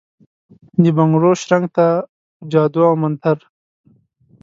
دبنګړو شرنګ ته ، په جادو اومنتر ،